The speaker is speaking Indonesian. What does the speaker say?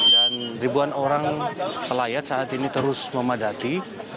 dan ribuan orang pelayat saat ini terus memadati